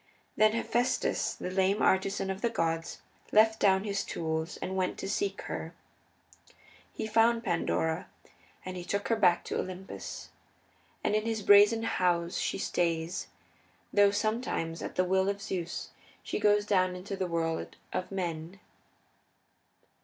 Then Hephaestus, the lame artisan of the gods, left down his tools and went to seek her. He found Pandora, and he took her back to Olympus. And in his brazen house she stays, though sometimes at the will of Zeus she goes down into the world of men.